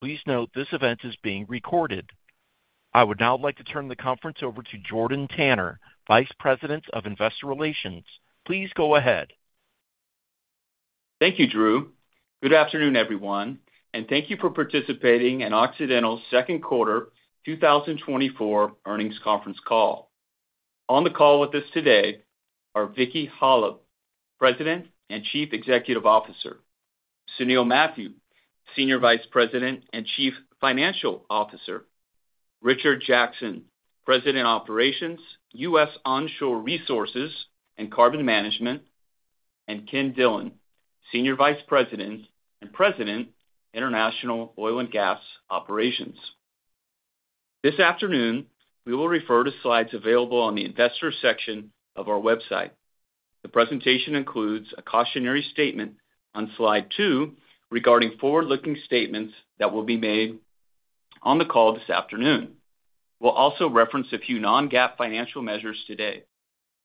Please note this event is being recorded. I would now like to turn the conference over to Jordan Tanner, Vice President of Investor Relations. Please go ahead. Thank you, Drew. Good afternoon, everyone, and thank you for participating in Occidental's second quarter 2024 earnings conference call. On the call with us today are Vicki Hollub, President and Chief Executive Officer, Sunil Mathew, Senior Vice President and Chief Financial Officer, Richard Jackson, President, Operations, U.S. Onshore Resources and Carbon Management, and Ken Dillon, Senior Vice President and President, International Oil and Gas Operations. This afternoon, we will refer to slides available on the Investors section of our website. The presentation includes a cautionary statement on slide 2 regarding forward-looking statements that will be made on the call this afternoon. We'll also reference a few non-GAAP financial measures today.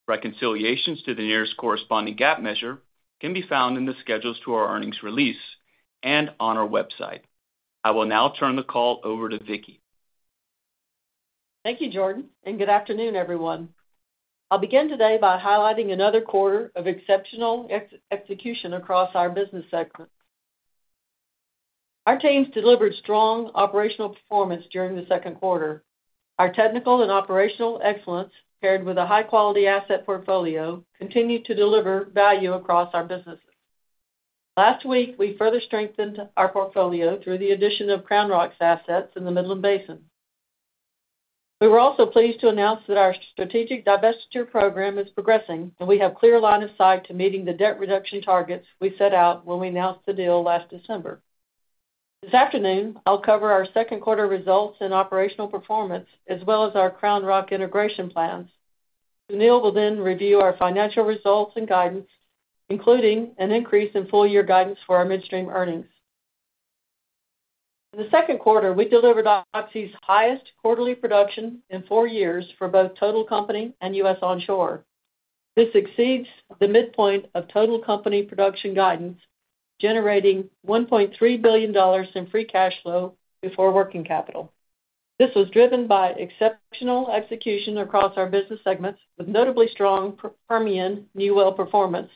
Reconciliations to the nearest corresponding GAAP measure can be found in the schedules to our earnings release and on our website. I will now turn the call over to Vicki. Thank you, Jordan, and good afternoon, everyone. I'll begin today by highlighting another quarter of exceptional execution across our business segments. Our teams delivered strong operational performance during the second quarter. Our technical and operational excellence, paired with a high-quality asset portfolio, continued to deliver value across our businesses. Last week, we further strengthened our portfolio through the addition of CrownRock's assets in the Midland Basin. We were also pleased to announce that our strategic divestiture program is progressing, and we have clear line of sight to meeting the debt reduction targets we set out when we announced the deal last December. This afternoon, I'll cover our second quarter results and operational performance, as well as our CrownRock integration plans. Sunil will then review our financial results and guidance, including an increase in full-year guidance for our midstream earnings. In the second quarter, we delivered Oxy's highest quarterly production in four years for both total company and U.S. onshore. This exceeds the midpoint of total company production guidance, generating $1.3 billion in free cash flow before working capital. This was driven by exceptional execution across our business segments, with notably strong Permian new well performance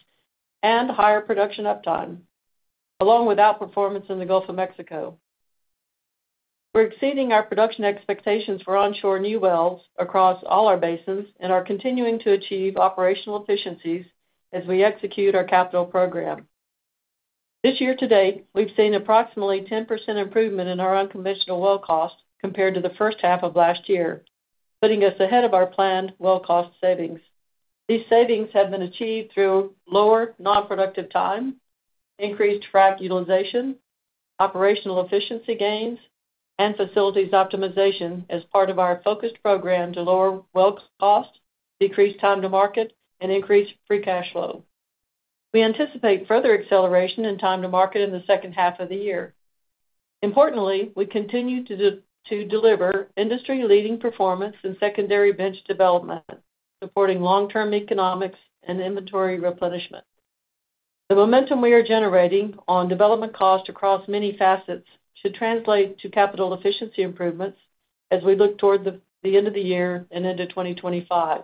and higher production uptime, along with outperformance in the Gulf of Mexico. We're exceeding our production expectations for onshore new wells across all our basins and are continuing to achieve operational efficiencies as we execute our capital program. This year to date, we've seen approximately 10% improvement in our unconventional well costs compared to the first half of last year, putting us ahead of our planned well cost savings. These savings have been achieved through lower non-productive time, increased frac utilization, operational efficiency gains, and facilities optimization as part of our focused program to lower well costs, decrease time to market, and increase free cash flow. We anticipate further acceleration in time to market in the second half of the year. Importantly, we continue to deliver industry-leading performance in secondary bench development, supporting long-term economics and inventory replenishment. The momentum we are generating on development cost across many facets should translate to capital efficiency improvements as we look toward the end of the year and into 2025.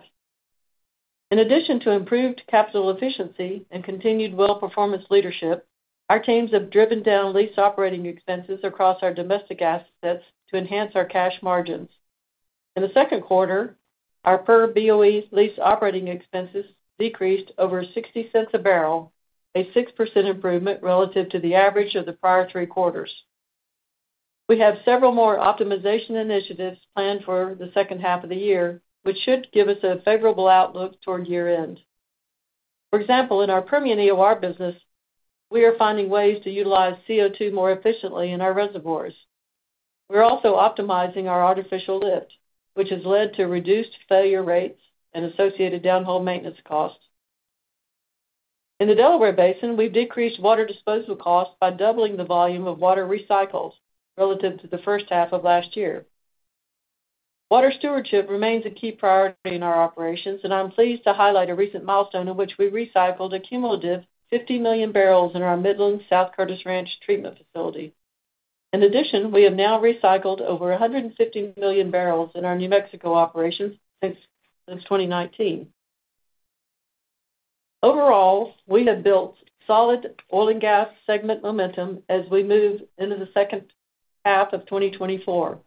In addition to improved capital efficiency and continued well performance leadership, our teams have driven down lease operating expenses across our domestic assets to enhance our cash margins. In the second quarter, our per BOE lease operating expenses decreased over $0.60 a barrel, a 6% improvement relative to the average of the prior 3 quarters. We have several more optimization initiatives planned for the second half of the year, which should give us a favorable outlook toward year-end. For example, in our Permian EOR business, we are finding ways to utilize CO2 more efficiently in our reservoirs. We're also optimizing our artificial lift, which has led to reduced failure rates and associated downhole maintenance costs. In the Delaware Basin, we've decreased water disposal costs by doubling the volume of water recycles relative to the first half of last year. Water stewardship remains a key priority in our operations, and I'm pleased to highlight a recent milestone in which we recycled a cumulative 50 million barrels in our Midland South Curtis Ranch treatment facility. In addition, we have now recycled over 150 million barrels in our New Mexico operations since 2019. Overall, we have built solid oil and gas segment momentum as we move into the second half of 2024.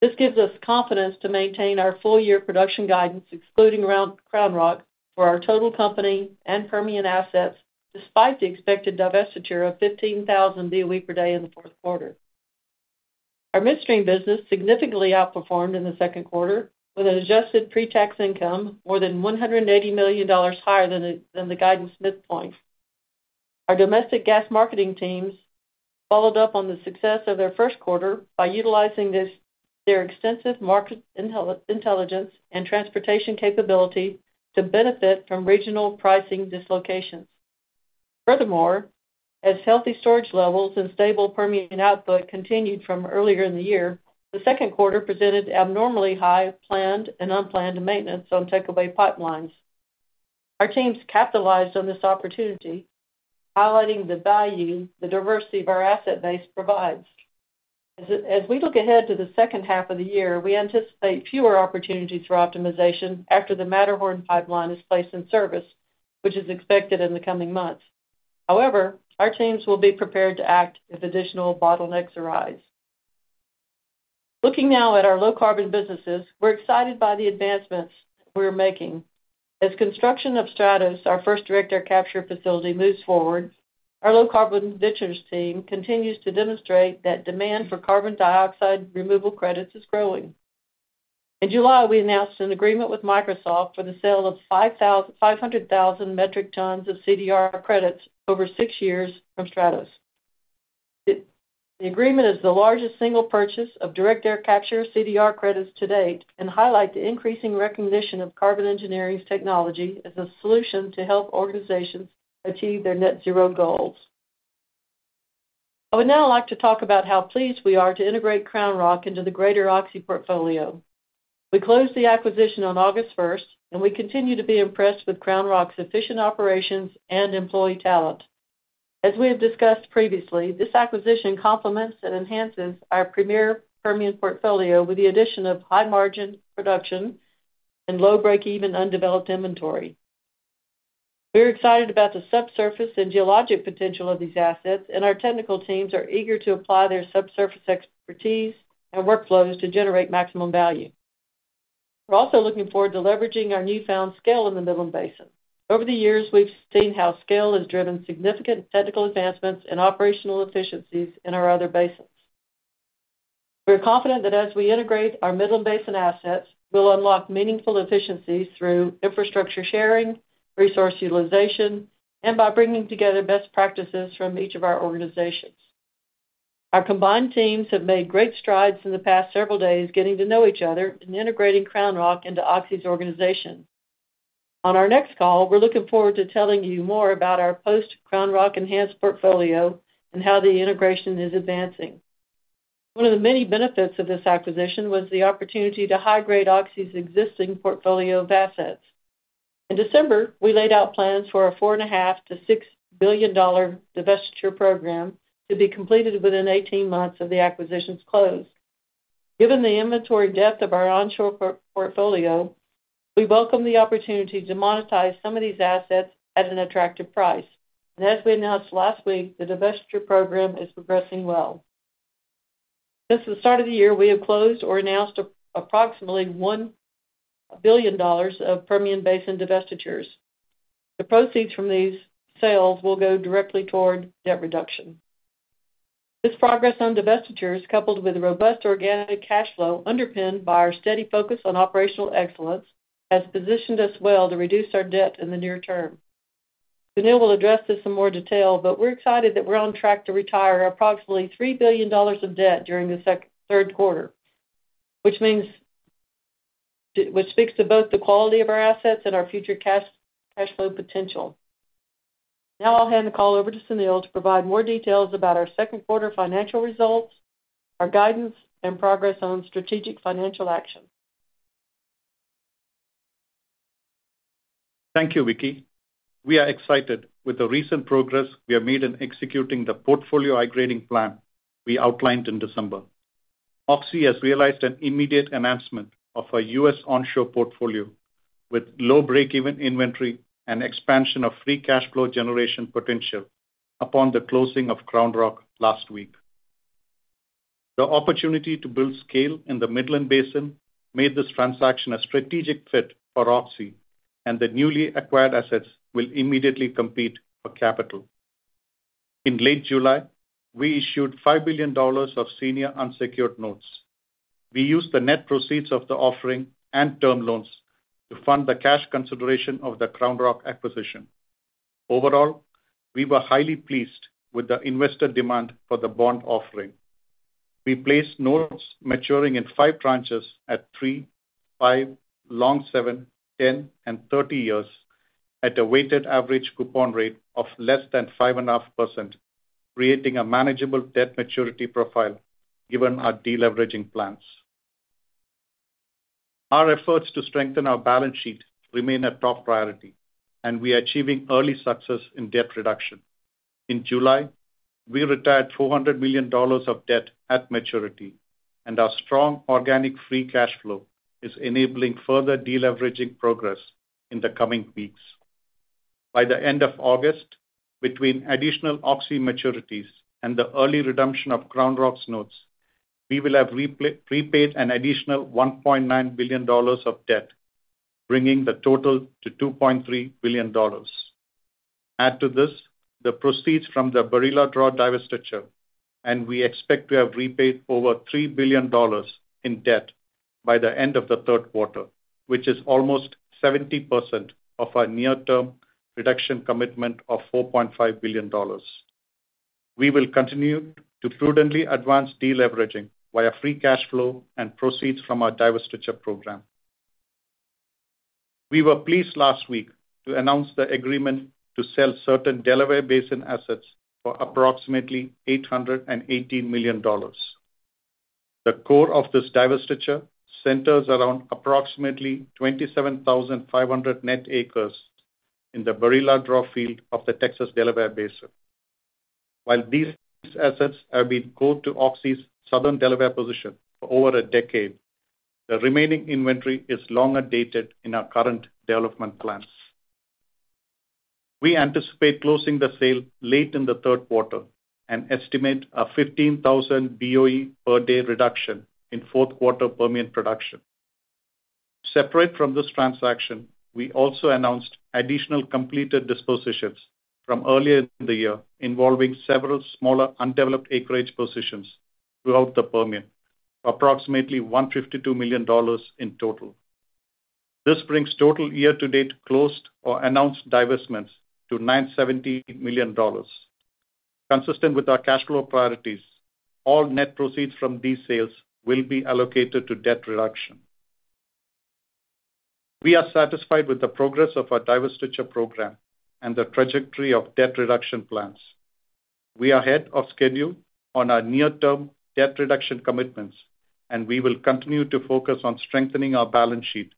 This gives us confidence to maintain our full-year production guidance, excluding around CrownRock, for our total company and Permian assets, despite the expected divestiture of 15,000 Boe per day in the fourth quarter. Our midstream business significantly outperformed in the second quarter, with an adjusted pre-tax income more than $180 million higher than the guidance midpoint. Our domestic gas marketing teams followed up on the success of their first quarter by utilizing their extensive market intelligence and transportation capability to benefit from regional pricing dislocations. Furthermore, as healthy storage levels and stable Permian output continued from earlier in the year, the second quarter presented abnormally high planned and unplanned maintenance on takeaway pipelines. Our teams capitalized on this opportunity, highlighting the value the diversity of our asset base provides. As, as we look ahead to the second half of the year, we anticipate fewer opportunities for optimization after the Matterhorn pipeline is placed in service, which is expected in the coming months. However, our teams will be prepared to act if additional bottlenecks arise. Looking now at our low-carbon businesses, we're excited by the advancements we're making. As construction of Stratos, our first direct air capture facility, moves forward, our Low Carbon Ventures team continues to demonstrate that demand for carbon dioxide removal credits is growing. In July, we announced an agreement with Microsoft for the sale of 500,000 metric tons of CDR credits over 6 years from Stratos. The agreement is the largest single purchase of direct air capture CDR credits to date and highlights the increasing recognition of Carbon Engineering's technology as a solution to help organizations achieve their net zero goals. I would now like to talk about how pleased we are to integrate CrownRock into the greater Oxy portfolio. We closed the acquisition on August 1, and we continue to be impressed with CrownRock's efficient operations and employee talent. As we have discussed previously, this acquisition complements and enhances our premier Permian portfolio with the addition of high-margin production and low break-even undeveloped inventory. We're excited about the subsurface and geologic potential of these assets, and our technical teams are eager to apply their subsurface expertise and workflows to generate maximum value. We're also looking forward to leveraging our newfound scale in the Midland Basin. Over the years, we've seen how scale has driven significant technical advancements and operational efficiencies in our other basins. We're confident that as we integrate our Midland Basin assets, we'll unlock meaningful efficiencies through infrastructure sharing, resource utilization, and by bringing together best practices from each of our organizations. Our combined teams have made great strides in the past several days, getting to know each other and integrating CrownRock into Oxy's organization. On our next call, we're looking forward to telling you more about our post-CrownRock enhanced portfolio and how the integration is advancing. One of the many benefits of this acquisition was the opportunity to high-grade Oxy's existing portfolio of assets. In December, we laid out plans for a $4.5 billion-$6 billion divestiture program to be completed within 18 months of the acquisition's close. Given the inventory depth of our onshore portfolio, we welcome the opportunity to monetize some of these assets at an attractive price. As we announced last week, the divestiture program is progressing well. Since the start of the year, we have closed or announced approximately $1 billion of Permian Basin divestitures. The proceeds from these sales will go directly toward debt reduction. This progress on divestitures, coupled with robust organic cash flow, underpinned by our steady focus on operational excellence, has positioned us well to reduce our debt in the near term. Sunil will address this in more detail, but we're excited that we're on track to retire approximately $3 billion of debt during the third quarter, which speaks to both the quality of our assets and our future cash, cash flow potential. Now I'll hand the call over to Sunil to provide more details about our second quarter financial results, our guidance, and progress on strategic financial actions. Thank you, Vicki. We are excited with the recent progress we have made in executing the portfolio high-grading plan we outlined in December. Oxy has realized an immediate enhancement of our U.S. onshore portfolio, with low break-even inventory and expansion of free cash flow generation potential upon the closing of CrownRock last week. The opportunity to build scale in the Midland Basin made this transaction a strategic fit for Oxy, and the newly acquired assets will immediately compete for capital. In late July, we issued $5 billion of senior unsecured notes. We used the net proceeds of the offering and term loans to fund the cash consideration of the CrownRock acquisition. Overall, we were highly pleased with the investor demand for the bond offering. We placed notes maturing in 5 tranches at 3, 5, long 7, 10, and 30 years at a weighted average coupon rate of less than 5.5%, creating a manageable debt maturity profile given our deleveraging plans. Our efforts to strengthen our balance sheet remain a top priority, and we are achieving early success in debt reduction. In July, we retired $400 million of debt at maturity, and our strong organic free cash flow is enabling further deleveraging progress in the coming weeks. By the end of August, between additional Oxy maturities and the early redemption of CrownRock's notes, we will have repaid an additional $1.9 billion of debt, bringing the total to $2.3 billion. Add to this the proceeds from the Barilla Draw divestiture, and we expect to have repaid over $3 billion in debt by the end of the third quarter, which is almost 70% of our near-term reduction commitment of $4.5 billion. We will continue to prudently advance deleveraging via free cash flow and proceeds from our divestiture program. We were pleased last week to announce the agreement to sell certain Delaware Basin assets for approximately $818 million.... The core of this divestiture centers around approximately 27,500 net acres in the Barilla Draw field of the Texas Delaware Basin. While these assets have been core to Oxy's Southern Delaware position for over a decade, the remaining inventory is longer dated in our current development plans. We anticipate closing the sale late in the third quarter and estimate a 15,000 BOE per day reduction in fourth quarter Permian production. Separate from this transaction, we also announced additional completed dispositions from earlier in the year, involving several smaller undeveloped acreage positions throughout the Permian, approximately $152 million in total. This brings total year-to-date closed or announced divestments to $970 million. Consistent with our cash flow priorities, all net proceeds from these sales will be allocated to debt reduction. We are satisfied with the progress of our divestiture program and the trajectory of debt reduction plans. We are ahead of schedule on our near-term debt reduction commitments, and we will continue to focus on strengthening our balance sheet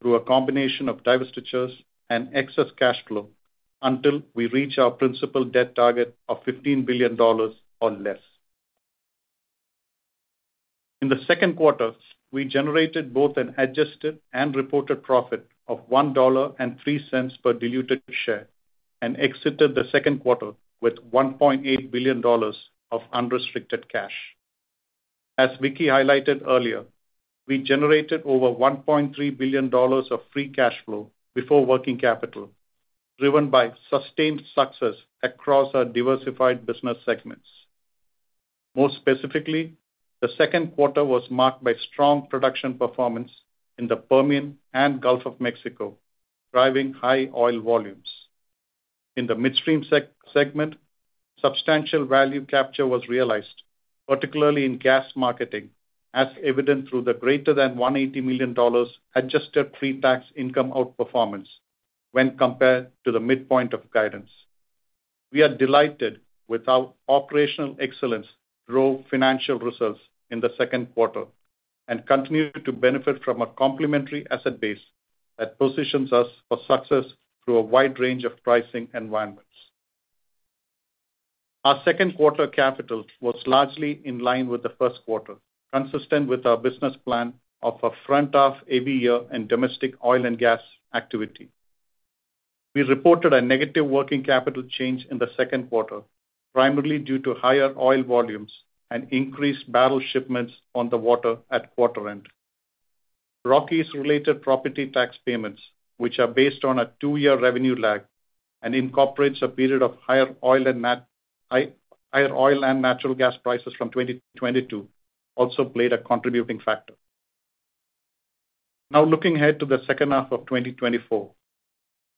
through a combination of divestitures and excess cash flow until we reach our principal debt target of $15 billion or less. In the second quarter, we generated both an adjusted and reported profit of $1.03 per diluted share, and exited the second quarter with $1.8 billion of unrestricted cash. As Vicki highlighted earlier, we generated over $1.3 billion of free cash flow before working capital, driven by sustained success across our diversified business segments. More specifically, the second quarter was marked by strong production performance in the Permian and Gulf of Mexico, driving high oil volumes. In the midstream segment, substantial value capture was realized, particularly in gas marketing, as evident through the greater than $180 million adjusted pre-tax income outperformance when compared to the midpoint of guidance. We are delighted with our operational excellence through financial results in the second quarter, and continue to benefit from a complementary asset base that positions us for success through a wide range of pricing environments. Our second quarter capital was largely in line with the first quarter, consistent with our business plan of a front-half every year in domestic oil and gas activity. We reported a negative working capital change in the second quarter, primarily due to higher oil volumes and increased barrel shipments on the water at quarter end. Rockies-related property tax payments, which are based on a two-year revenue lag and incorporates a period of higher oil and natural gas prices from 2022, also played a contributing factor. Now, looking ahead to the second half of 2024,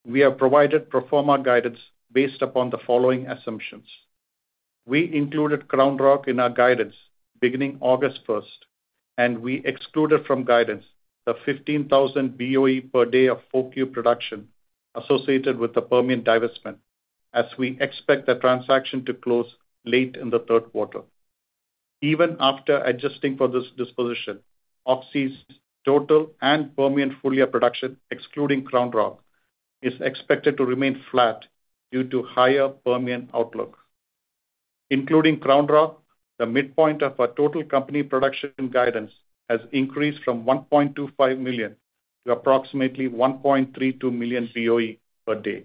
we have provided pro forma guidance based upon the following assumptions. We included CrownRock in our guidance beginning August 1, and we excluded from guidance the 15,000 BOE per day of 4Q production associated with the Permian divestment, as we expect the transaction to close late in the third quarter. Even after adjusting for this disposition, Oxy's total and Permian full-year production, excluding CrownRock, is expected to remain flat due to higher Permian outlook. Including CrownRock, the midpoint of our total company production guidance has increased from 1.25 million to approximately 1.32 million BOE per day.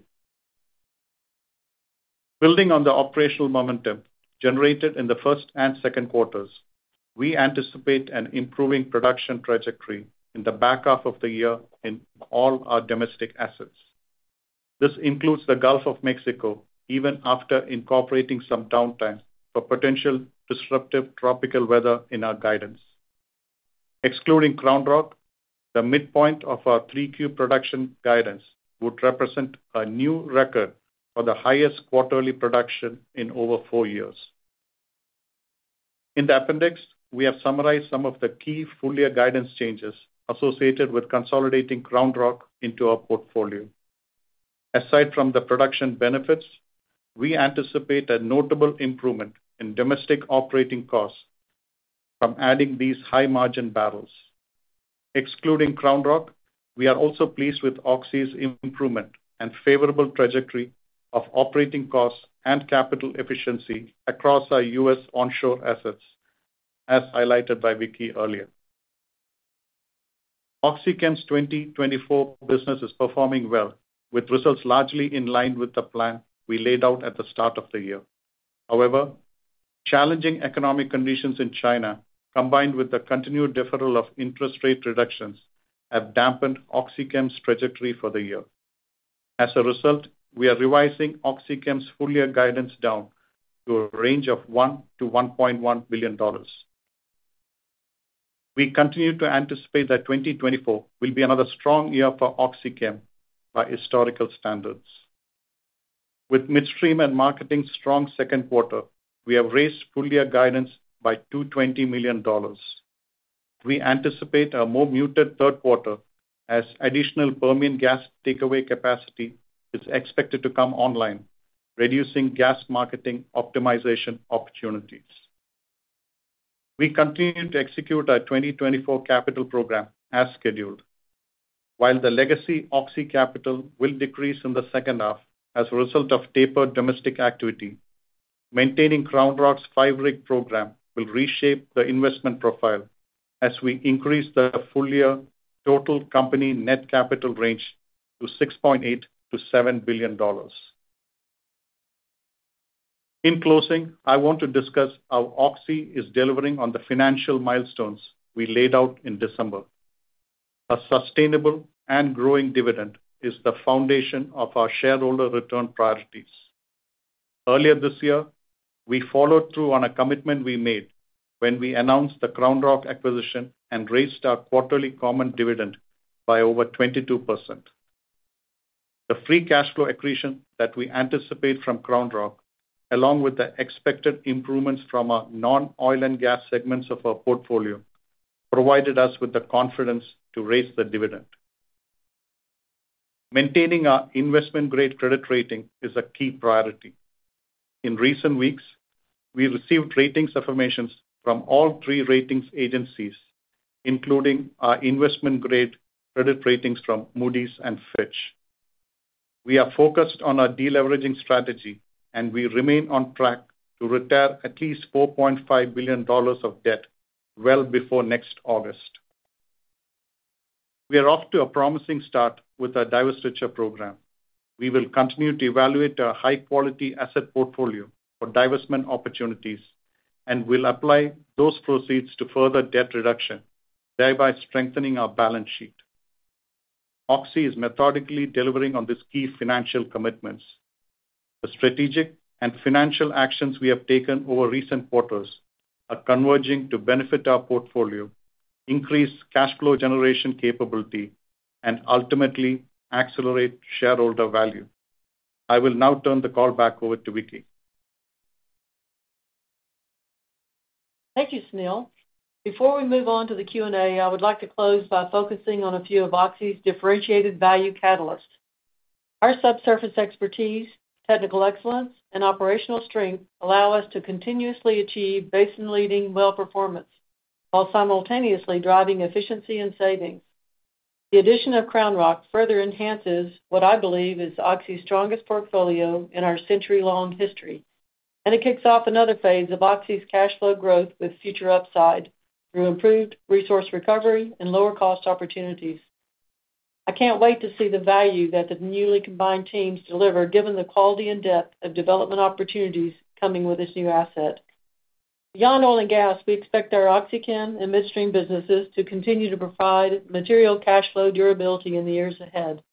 Building on the operational momentum generated in the first and second quarters, we anticipate an improving production trajectory in the back half of the year in all our domestic assets. This includes the Gulf of Mexico, even after incorporating some downtime for potential disruptive tropical weather in our guidance. Excluding CrownRock, the midpoint of our 3Q production guidance would represent a new record for the highest quarterly production in over four years. In the appendix, we have summarized some of the key full-year guidance changes associated with consolidating CrownRock into our portfolio. Aside from the production benefits, we anticipate a notable improvement in domestic operating costs from adding these high-margin barrels. Excluding CrownRock, we are also pleased with Oxy's improvement and favorable trajectory of operating costs and capital efficiency across our U.S. onshore assets, as highlighted by Vicki earlier. OxyChem's 2024 business is performing well, with results largely in line with the plan we laid out at the start of the year. However, challenging economic conditions in China, combined with the continued deferral of interest rate reductions, have dampened OxyChem's trajectory for the year. As a result, we are revising OxyChem's full-year guidance down to a range of $1 billion-$1.1 billion. We continue to anticipate that 2024 will be another strong year for OxyChem by historical standards. With Midstream and Marketing's strong second quarter, we have raised full-year guidance by $220 million. We anticipate a more muted third quarter as additional Permian gas takeaway capacity is expected to come online, reducing gas marketing optimization opportunities. We continue to execute our 2024 capital program as scheduled. While the legacy Oxy capital will decrease in the second half as a result of tapered domestic activity, maintaining CrownRock's five-rig program will reshape the investment profile as we increase the full-year total company net capital range to $6.8 billion-$7 billion. In closing, I want to discuss how Oxy is delivering on the financial milestones we laid out in December. A sustainable and growing dividend is the foundation of our shareholder return priorities. Earlier this year, we followed through on a commitment we made when we announced the CrownRock acquisition and raised our quarterly common dividend by over 22%. The free cash flow accretion that we anticipate from CrownRock, along with the expected improvements from our non-oil and gas segments of our portfolio, provided us with the confidence to raise the dividend. Maintaining our investment-grade credit rating is a key priority. In recent weeks, we received ratings affirmations from all three ratings agencies, including our investment-grade credit ratings from Moody's and Fitch. We are focused on our deleveraging strategy, and we remain on track to retire at least $4.5 billion of debt well before next August. We are off to a promising start with our divestiture program. We will continue to evaluate our high-quality asset portfolio for divestment opportunities, and we'll apply those proceeds to further debt reduction, thereby strengthening our balance sheet. Oxy is methodically delivering on these key financial commitments. The strategic and financial actions we have taken over recent quarters are converging to benefit our portfolio, increase cash flow generation capability, and ultimately accelerate shareholder value. I will now turn the call back over to Vicki. Thank you, Sunil. Before we move on to the Q&A, I would like to close by focusing on a few of Oxy's differentiated value catalysts. Our subsurface expertise, technical excellence, and operational strength allow us to continuously achieve basin-leading well performance while simultaneously driving efficiency and savings. The addition of CrownRock further enhances what I believe is Oxy's strongest portfolio in our century-long history, and it kicks off another phase of Oxy's cash flow growth with future upside through improved resource recovery and lower-cost opportunities. I can't wait to see the value that the newly combined teams deliver, given the quality and depth of development opportunities coming with this new asset. Beyond oil and gas, we expect our OxyChem and midstream businesses to continue to provide material cash flow durability in the years ahead.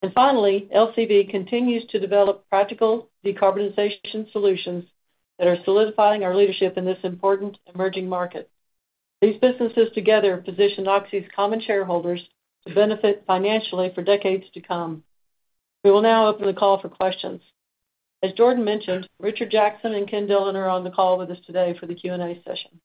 And finally, LCB continues to develop practical decarbonization solutions that are solidifying our leadership in this important emerging market. These businesses together position Oxy's common shareholders to benefit financially for decades to come. We will now open the call for questions. As Jordan mentioned, Richard Jackson and Ken Dillon are on the call with us today for the Q&A session.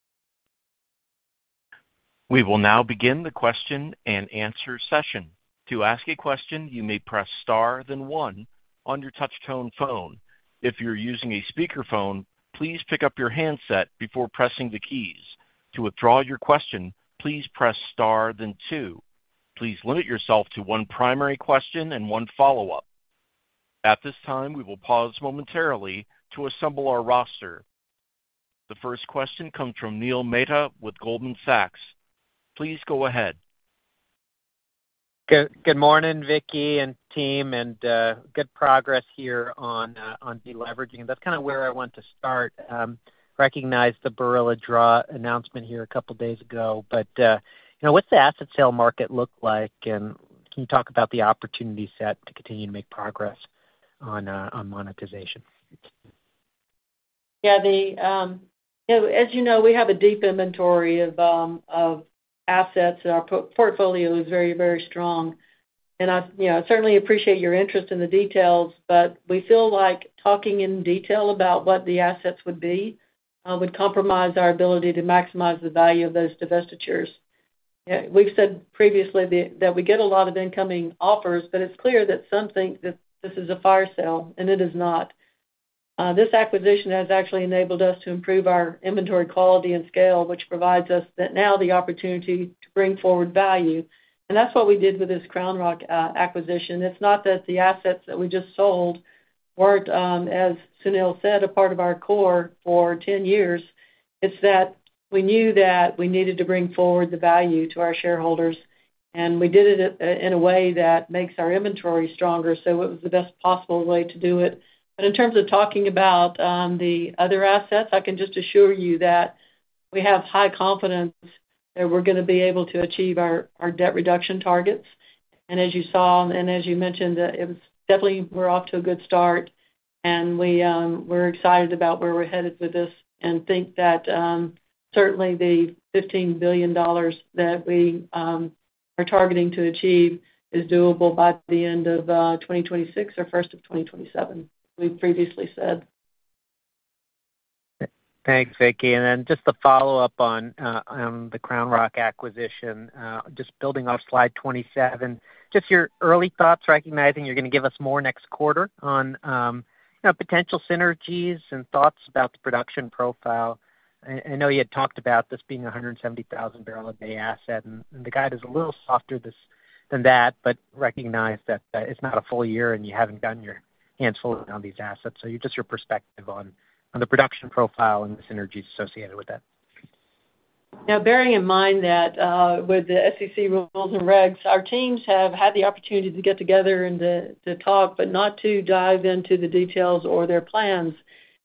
We will now begin the question and answer session. To ask a question, you may press star, then one on your touchtone phone. If you're using a speakerphone, please pick up your handset before pressing the keys. To withdraw your question, please press star then two. Please limit yourself to one primary question and one follow-up. At this time, we will pause momentarily to assemble our roster. The first question comes from Neil Mehta with Goldman Sachs. Please go ahead. Good, good morning, Vicki and team, and, good progress here on deleveraging. That's kind of where I want to start. Recognize the Barilla Draw announcement here a couple of days ago, but, you know, what's the asset sale market look like? And can you talk about the opportunity set to continue to make progress on monetization? Yeah, you know, as you know, we have a deep inventory of assets, and our portfolio is very, very strong. And I, you know, certainly appreciate your interest in the details, but we feel like talking in detail about what the assets would be would compromise our ability to maximize the value of those divestitures. We've said previously that we get a lot of incoming offers, but it's clear that some think that this is a fire sale, and it is not. This acquisition has actually enabled us to improve our inventory quality and scale, which provides us that now the opportunity to bring forward value. And that's what we did with this CrownRock acquisition. It's not that the assets that we just sold weren't, as Sunil said, a part of our core for 10 years. It's that we knew that we needed to bring forward the value to our shareholders, and we did it in a way that makes our inventory stronger, so it was the best possible way to do it. But in terms of talking about the other assets, I can just assure you that we have high confidence that we're gonna be able to achieve our debt reduction targets. And as you saw, and as you mentioned, it was definitely we're off to a good start, and we we're excited about where we're headed with this and think that certainly the $15 billion that we are targeting to achieve is doable by the end of 2026 or first of 2027, we've previously said.... Thanks, Vicki. Then just to follow up on, on the CrownRock acquisition, just building off slide 27, just your early thoughts, recognizing you're gonna give us more next quarter on, you know, potential synergies and thoughts about the production profile. I know you had talked about this being a 170,000 barrel a day asset, and the guide is a little softer this than that, but recognize that, it's not a full year, and you haven't gotten your hands fully on these assets. So just your perspective on, on the production profile and the synergies associated with that. Now, bearing in mind that with the SEC rules and regs, our teams have had the opportunity to get together and to talk, but not to dive into the details or their plans.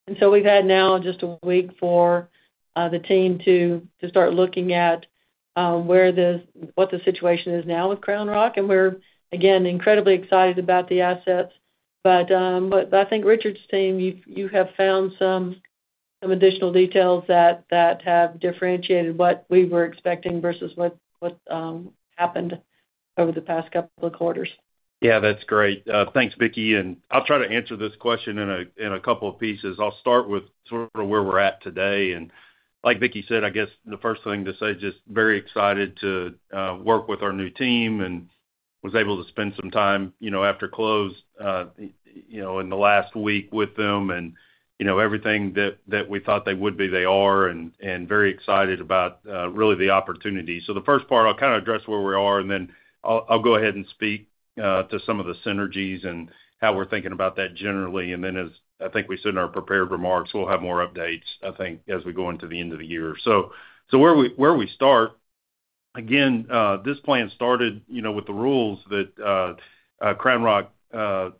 And so we've had now just a week for the team to start looking at what the situation is now with CrownRock, and we're, again, incredibly excited about the assets. But I think, Richard's team, you have found some additional details that have differentiated what we were expecting versus what happened over the past couple of quarters. Yeah, that's great. Thanks, Vicki, and I'll try to answer this question in a, in a couple of pieces. I'll start with sort of where we're at today, and like Vicki said, I guess the first thing to say, just very excited to work with our new team and was able to spend some time, you know, after close, you know, in the last week with them. And, you know, everything that, that we thought they would be, they are, and, and very excited about, really, the opportunity. So the first part, I'll kind of address where we are, and then I'll, I'll go ahead and speak to some of the synergies and how we're thinking about that generally. And then, as I think we said in our prepared remarks, we'll have more updates, I think, as we go into the end of the year. So where we start, again, this plan started, you know, with the rules that CrownRock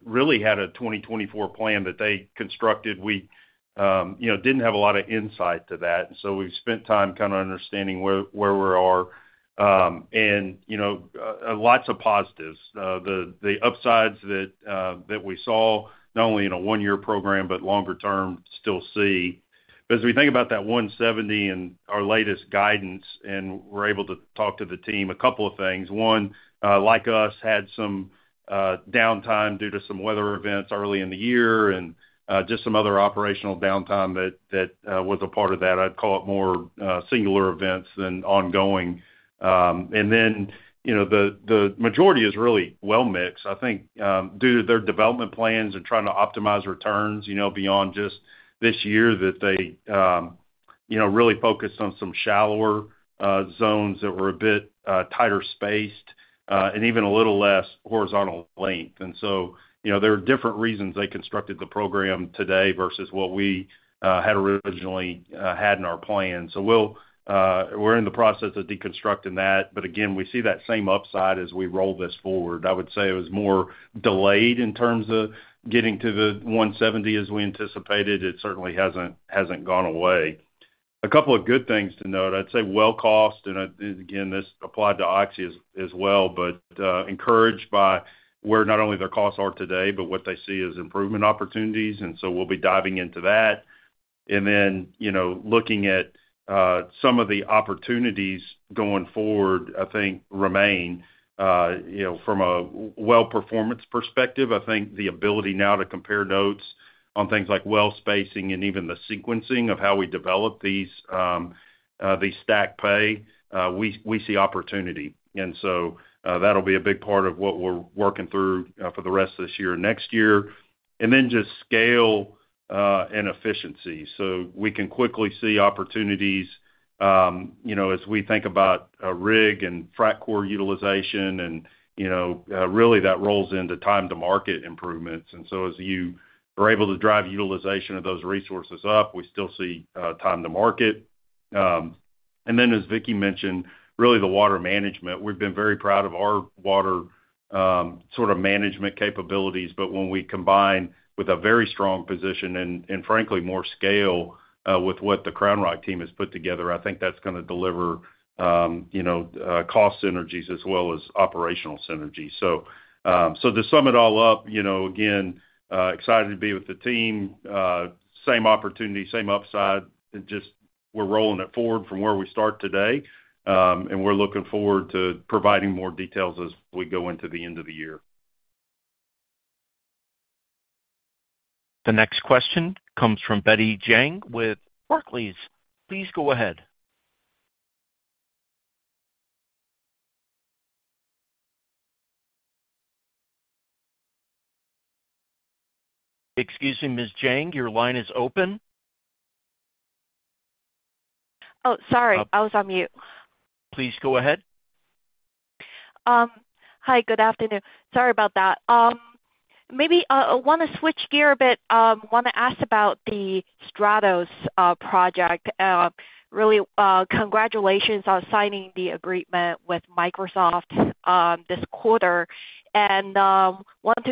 really had a 2024 plan that they constructed. We, you know, didn't have a lot of insight to that, and so we've spent time kind of understanding where we are. And, you know, lots of positives. The upsides that we saw, not only in a one-year program, but longer term, still see. But as we think about that 170 in our latest guidance, and we're able to talk to the team, a couple of things. One, like us, had some downtime due to some weather events early in the year and just some other operational downtime that was a part of that. I'd call it more singular events than ongoing. And then, you know, the majority is really well mixed. I think, due to their development plans and trying to optimize returns, you know, beyond just this year, that they, you know, really focus on some shallower zones that were a bit tighter spaced, and even a little less horizontal length. And so, you know, there are different reasons they constructed the program today versus what we had originally had in our plans. So we'll, we're in the process of deconstructing that. But again, we see that same upside as we roll this forward. I would say it was more delayed in terms of getting to the $170 as we anticipated. It certainly hasn't gone away. A couple of good things to note. I'd say well cost, and, again, this applied to Oxy as well, but encouraged by where not only their costs are today, but what they see as improvement opportunities, and so we'll be diving into that. And then, you know, looking at some of the opportunities going forward, I think remain, you know, from a well performance perspective, I think the ability now to compare notes on things like well spacing and even the sequencing of how we develop these stack pay, we see opportunity. And so, that'll be a big part of what we're working through for the rest of this year and next year. And then just scale, and efficiency. So we can quickly see opportunities, you know, as we think about a rig and frac crew utilization and, you know, really that rolls into time to market improvements. And so as you are able to drive utilization of those resources up, we still see time to market. And then, as Vicki mentioned, really the water management. We've been very proud of our water sort of management capabilities, but when we combine with a very strong position and frankly, more scale with what the CrownRock team has put together, I think that's gonna deliver, you know, cost synergies as well as operational synergies. So, so to sum it all up, you know, again, excited to be with the team. Same opportunity, same upside, and just we're rolling it forward from where we start today. We're looking forward to providing more details as we go into the end of the year. The next question comes from Betty Jiang with Barclays. Please go ahead. Excuse me, Ms. Jiang, your line is open. Oh, sorry. I was on mute. Please go ahead. Hi, good afternoon. Sorry about that. Maybe, I wanna switch gear a bit. Wanna ask about the Stratos project. Really, congratulations on signing the agreement with Microsoft this quarter. Wanted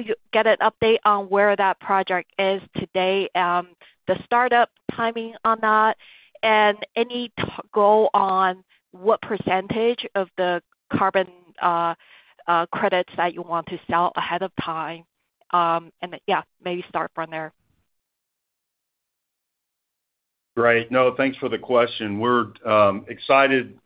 to get an update on where that project is today, the startup timing on that, and any goal on what percentage of the carbon credits that you want to sell ahead of time. Yeah, maybe start from there. ... Great. No, thanks for the question. We're excited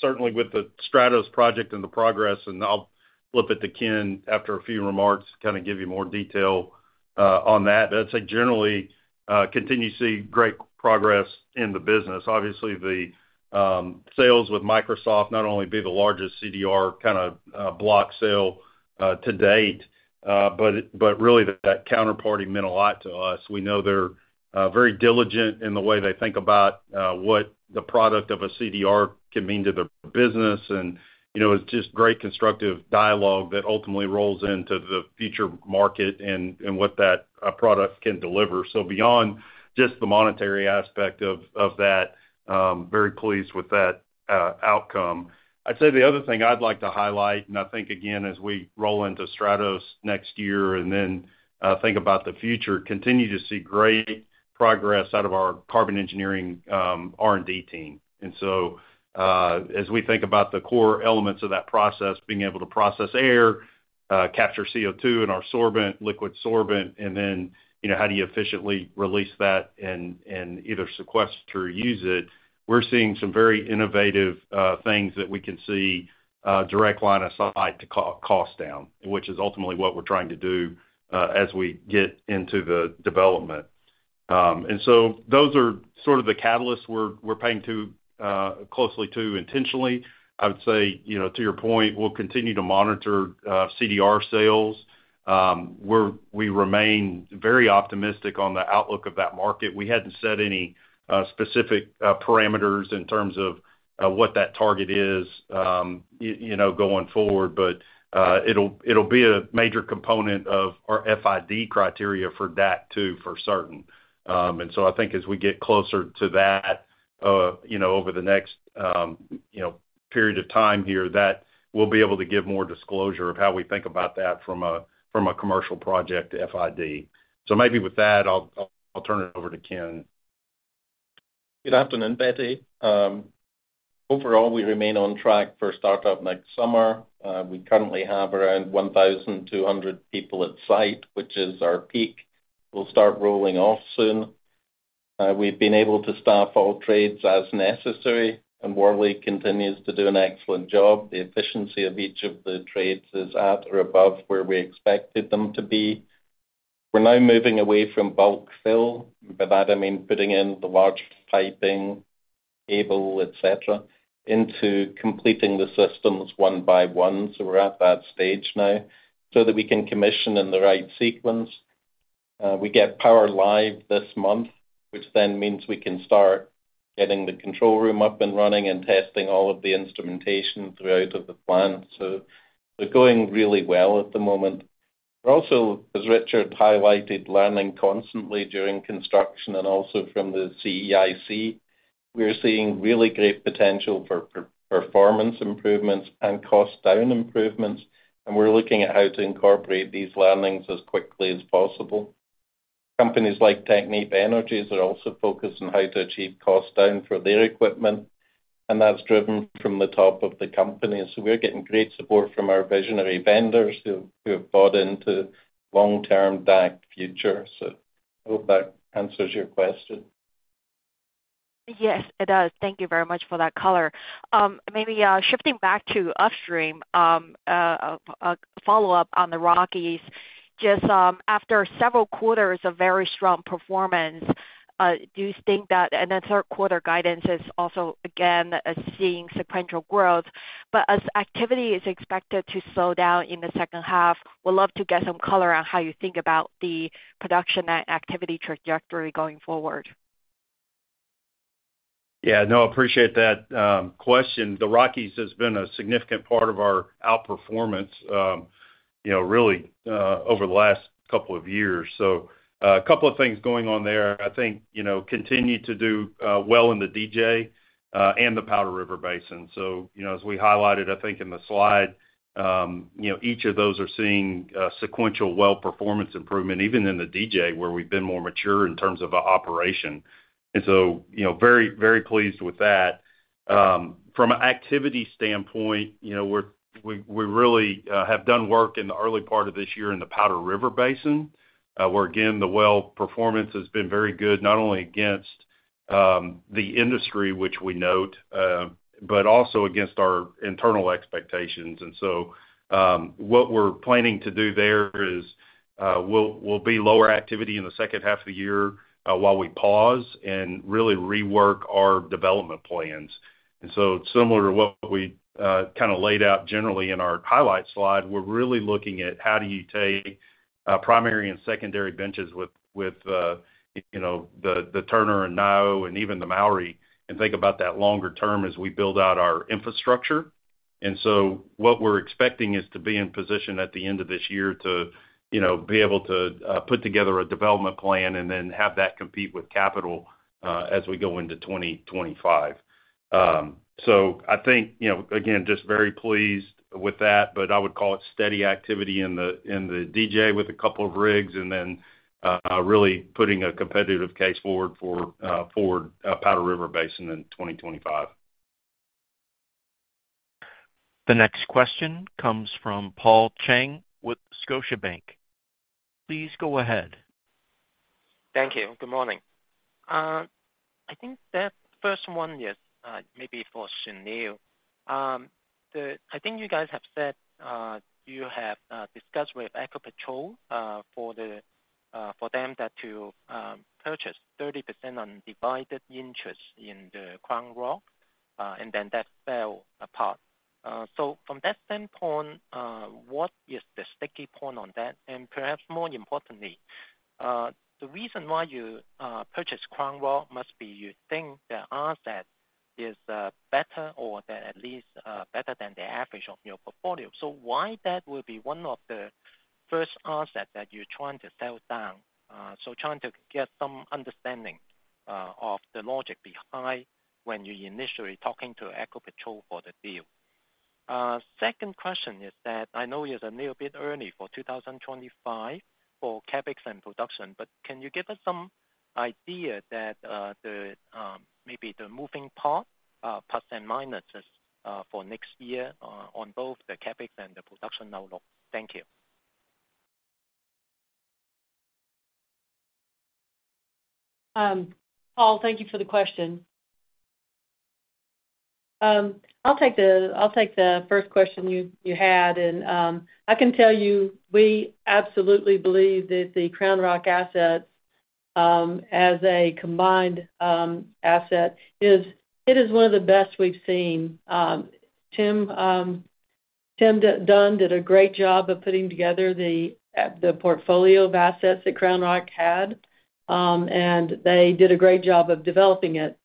certainly with the Stratos project and the progress, and I'll flip it to Ken after a few remarks to kind of give you more detail on that. I'd say generally continue to see great progress in the business. Obviously, the sales with Microsoft not only be the largest CDR kind of block sale to date, but really, that counterparty meant a lot to us. We know they're very diligent in the way they think about what the product of a CDR can mean to their business. And, you know, it's just great constructive dialogue that ultimately rolls into the future market and what that product can deliver. So beyond just the monetary aspect of that, very pleased with that outcome. I'd say the other thing I'd like to highlight, and I think, again, as we roll into Stratos next year and then, think about the future, continue to see great progress out of our carbon engineering, R&D team. And so, as we think about the core elements of that process, being able to process air, capture CO2 in our sorbent, liquid sorbent, and then, you know, how do you efficiently release that and either sequester or use it, we're seeing some very innovative, things that we can see, direct line of sight to cost down, which is ultimately what we're trying to do, as we get into the development. And so those are sort of the catalysts we're paying close attention to intentionally. I would say, you know, to your point, we'll continue to monitor, CDR sales. We're we remain very optimistic on the outlook of that market. We hadn't set any specific parameters in terms of what that target is, you know, going forward, but it'll be a major component of our FID criteria for DAC too, for certain. And so I think as we get closer to that, you know, over the next you know period of time here, that we'll be able to give more disclosure of how we think about that from a, from a commercial project to FID. So maybe with that, I'll turn it over to Ken. Good afternoon, Betty. Overall, we remain on track for startup next summer. We currently have around 1,200 people at site, which is our peak. We'll start rolling off soon. We've been able to staff all trades as necessary, and Worley continues to do an excellent job. The efficiency of each of the trades is at or above where we expected them to be. We're now moving away from bulk fill. By that, I mean, putting in the large piping, cable, et cetera, into completing the systems one by one. So we're at that stage now so that we can commission in the right sequence. We get power live this month, which then means we can start getting the control room up and running and testing all of the instrumentation throughout the plant. So we're going really well at the moment. We're also, as Richard highlighted, learning constantly during construction and also from the CEIC. We're seeing really great potential for performance improvements and cost down improvements, and we're looking at how to incorporate these learnings as quickly as possible. Companies like Technip Energies are also focused on how to achieve cost down for their equipment, and that's driven from the top of the company. So we're getting great support from our visionary vendors who have bought into long-term DAC future. So I hope that answers your question. Yes, it does. Thank you very much for that color. Maybe shifting back to upstream, a follow-up on the Rockies. Just after several quarters of very strong performance, do you think that and then third quarter guidance is also, again, seeing sequential growth, but as activity is expected to slow down in the second half, would love to get some color on how you think about the production and activity trajectory going forward? Yeah, no, appreciate that, question. The Rockies has been a significant part of our outperformance, you know, really, over the last couple of years. So, a couple of things going on there. I think, you know, continue to do, well in the DJ, and the Powder River Basin. So, you know, as we highlighted, I think, in the slide, you know, each of those are seeing, sequential well performance improvement, even in the DJ, where we've been more mature in terms of the operation. And so, you know, very, very pleased with that. From an activity standpoint, you know, we really have done work in the early part of this year in the Powder River Basin, where, again, the well performance has been very good, not only against the industry, which we note, but also against our internal expectations. And so, what we're planning to do there is, we'll be lower activity in the second half of the year, while we pause and really rework our development plans. And so similar to what we kind of laid out generally in our highlight slide, we're really looking at how do you take primary and secondary benches with, you know, the Turner and Nio and even the Mowry, and think about that longer term as we build out our infrastructure. What we're expecting is to be in position at the end of this year to, you know, be able to put together a development plan and then have that compete with capital as we go into 2025. I think, you know, again, just very pleased with that, but I would call it steady activity in the DJ with a couple of rigs, and then really putting a competitive case forward for Powder River Basin in 2025. The next question comes from Paul Chang with Scotiabank. Please go ahead. Thank you. Good morning. I think that first one is maybe for Sunil. I think you guys have said you have discussed with Ecopetrol for them to purchase 30% undivided interest in the CrownRock, and then that fell apart. So from that standpoint, what is the sticky point on that? And perhaps more importantly, the reason why you purchased CrownRock must be you think the asset is better or at least better than the average of your portfolio. So why that would be one of the first assets that you're trying to sell down? So trying to get some understanding of the logic behind when you're initially talking to Ecopetrol for the deal. Second question is that I know it's a little bit early for 2025 for CapEx and production, but can you give us some idea, maybe the moving part, plus and minuses, for next year on both the CapEx and the production outlook? Thank you. Paul, thank you for the question. I'll take the first question you had, and I can tell you, we absolutely believe that the Crown Rock asset, as a combined asset, is. It is one of the best we've seen. Tim Dunn did a great job of putting together the portfolio of assets that Crown Rock had. They did a great job of developing it.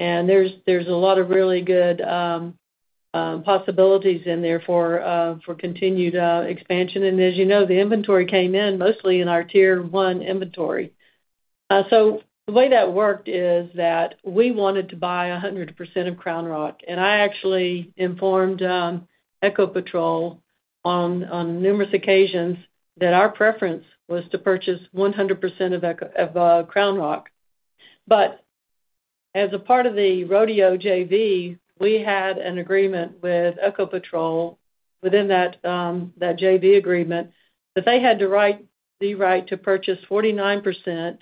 There's a lot of really good possibilities in there for continued expansion. As you know, the inventory came in mostly in our tier one inventory. So the way that worked is that we wanted to buy 100% of Crown Rock, and I actually informed Ecopetrol on numerous occasions that our preference was to purchase 100% of Ecopetrol-- of Crown Rock. But as a part of the Rodeo JV, we had an agreement with Ecopetrol within that JV agreement, that they had the right, the right to purchase 49%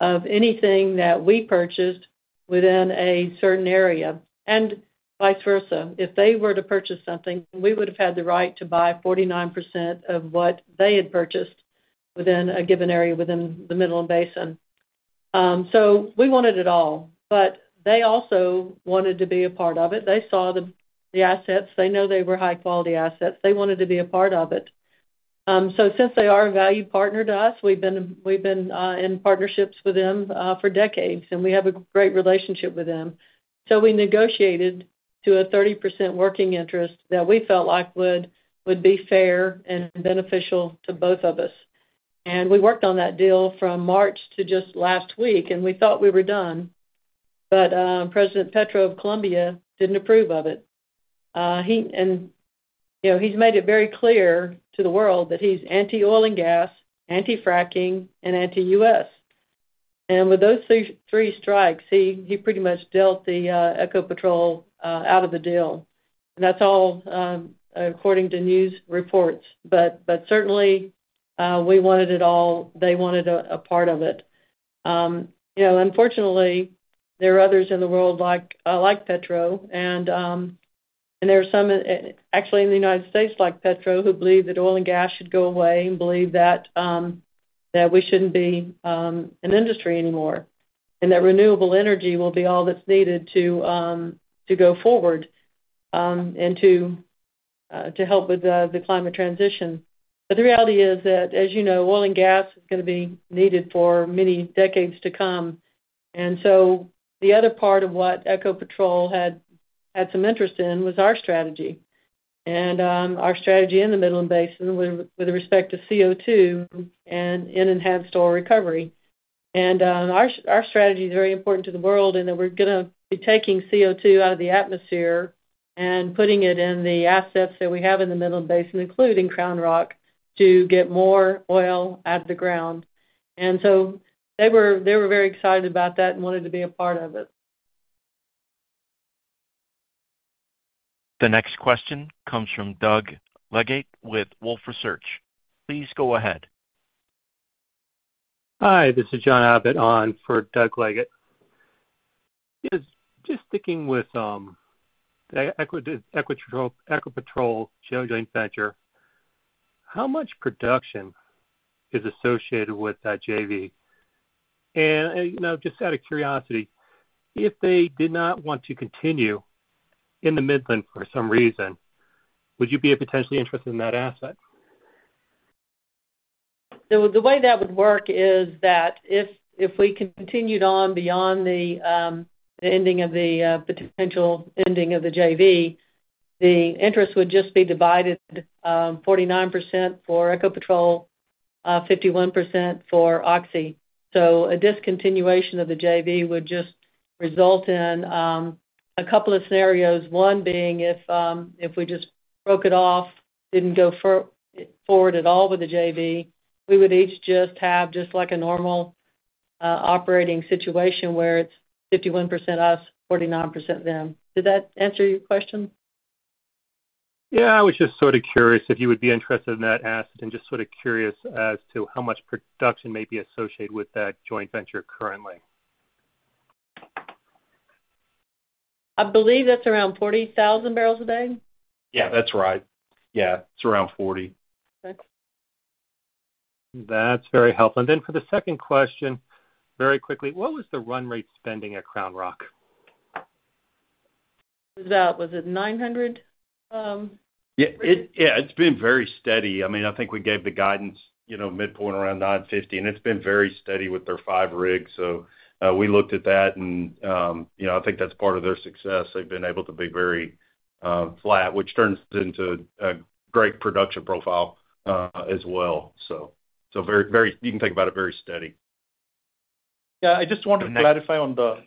of anything that we purchased within a certain area, and vice versa. If they were to purchase something, we would have had the right to buy 49% of what they had purchased within a given area within the Midland Basin. So we wanted it all, but they also wanted to be a part of it. They saw the assets. They know they were high-quality assets. They wanted to be a part of it. So since they are a valued partner to us, we've been in partnerships with them for decades, and we have a great relationship with them. So we negotiated to a 30% working interest that we felt like would be fair and beneficial to both of us. And we worked on that deal from March to just last week, and we thought we were done. But President Petro of Colombia didn't approve of it. He and, you know, he's made it very clear to the world that he's anti-oil and gas, anti-fracking, and anti-US. And with those three strikes, he pretty much dealt the Ecopetrol out of the deal. That's all according to news reports. But certainly we wanted it all. They wanted a part of it. You know, unfortunately, there are others in the world like, like Petro, and, and there are some, actually in the United States, like Petro, who believe that oil and gas should go away and believe that, that we shouldn't be, an industry anymore, and that renewable energy will be all that's needed to, to go forward, and to, to help with the, the climate transition. But the reality is that, as you know, oil and gas is gonna be needed for many decades to come. And so the other part of what Ecopetrol had some interest in was our strategy. And our strategy in the Midland Basin with respect to CO2 and enhanced oil recovery. Our strategy is very important to the world, and that we're gonna be taking CO2 out of the atmosphere and putting it in the assets that we have in the Midland Basin, including Crown Rock, to get more oil out of the ground. And so they were very excited about that and wanted to be a part of it. The next question comes from Doug Leggate with Wolfe Research. Please go ahead. Hi, this is John Abbott on for Doug Leggate. Just sticking with the Ecopetrol joint venture, how much production is associated with that JV? And, you know, just out of curiosity, if they did not want to continue in the Midland for some reason, would you be potentially interested in that asset? The way that would work is that if we continued on beyond the ending of the potential ending of the JV, the interest would just be divided, 49% for Ecopetrol, 51% for Oxy. So a discontinuation of the JV would just result in a couple of scenarios. One being if we just broke it off, didn't go forward at all with the JV, we would each just have just like a normal operating situation where it's 51% us, 49% them. Did that answer your question? Yeah, I was just sort of curious if you would be interested in that asset, and just sort of curious as to how much production may be associated with that joint venture currently. I believe that's around 40,000 barrels a day. Yeah, that's right. Yeah, it's around 40. That's very helpful. Then for the second question, very quickly, what was the run rate spending at CrownRock? Was that, was it 900? Yeah, it's been very steady. I mean, I think we gave the guidance, you know, midpoint around 950, and it's been very steady with their 5 rigs. So, we looked at that, and, you know, I think that's part of their success. They've been able to be very flat, which turns into a great production profile, as well. So, very, very, you can think about it, very steady. Yeah, I just want to clarify on the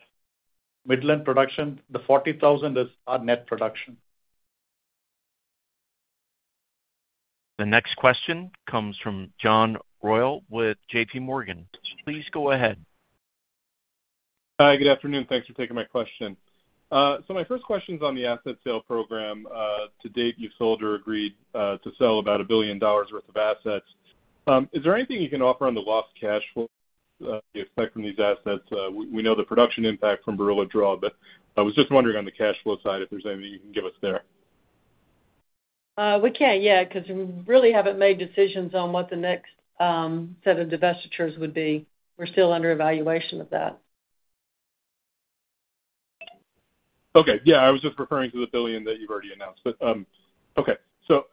Midland production. The 40,000 is our net production. The next question comes from John Royal with JPMorgan. Please go ahead. Hi, good afternoon. Thanks for taking my question. My first question is on the asset sale program. To date, you've sold or agreed to sell about $1 billion worth of assets. Is there anything you can offer on the lost cash flow you expect from these assets? We, we know the production impact from Barilla Draw, but I was just wondering on the cash flow side, if there's anything you can give us there. We can't yet, because we really haven't made decisions on what the next set of divestitures would be. We're still under evaluation of that. Okay. Yeah, I was just referring to the $1 billion that you've already announced, but, okay. So,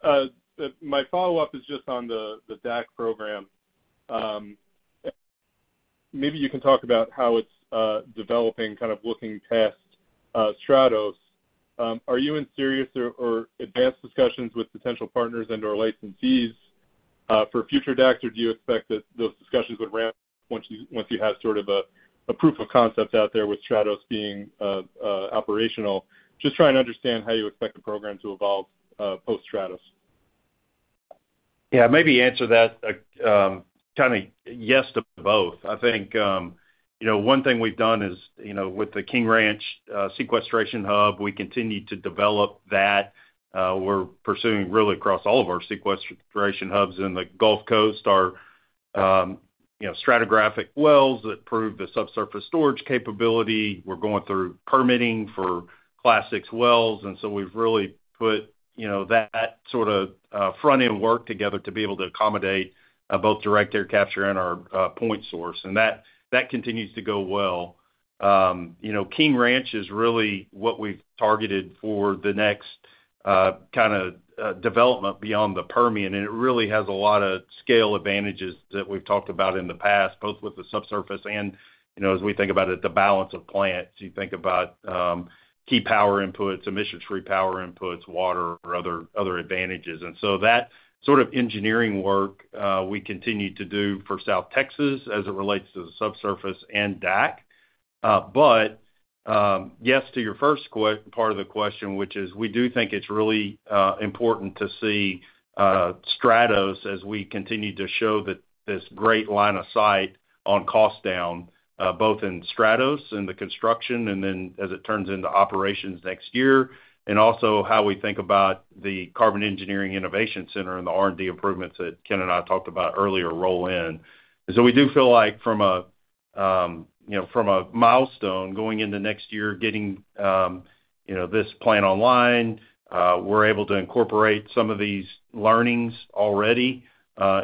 my follow-up is just on the, the DAC program. Maybe you can talk about how it's developing, kind of looking past, Stratos. Are you in serious or, or advanced discussions with potential partners and/or licensees, for future DACs? Or do you expect that those discussions would ramp once you, once you have sort of a, a proof of concept out there with Stratos being, operational? Just trying to understand how you expect the program to evolve, post Stratos. Yeah, maybe answer that, kind of yes to both. I think, you know, one thing we've done is, you know, with the King Ranch sequestration hub, we continue to develop that. We're pursuing really across all of our sequestration hubs in the Gulf Coast, our, you know, stratigraphic wells that prove the subsurface storage capability. We're going through permitting for Class VI wells, and so we've really put, you know, that sort of front-end work together to be able to accommodate both direct air capture and our point source. And that, that continues to go well. You know, King Ranch is really what we've targeted for the next kind of development beyond the Permian, and it really has a lot of scale advantages that we've talked about in the past, both with the subsurface and, you know, as we think about it, the balance of plants. You think about key power inputs, emissions power inputs, water or other advantages. And so that sort of engineering work we continue to do for South Texas as it relates to the subsurface and DAC. But, yes, to your first part of the question, which is we do think it's really important to see Stratos as we continue to show that this great line of sight on cost down both in Stratos and the construction, and then as it turns into operations next year, and also how we think about the Carbon Engineering Innovation Center and the R&D improvements that Ken and I talked about earlier roll in. And so we do feel like from a, you know, from a milestone, going into next year, getting, you know, this plant online, we're able to incorporate some of these learnings already